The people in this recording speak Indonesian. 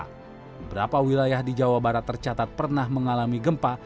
beberapa wilayah di jawa barat tercatat pernah mengalami gempa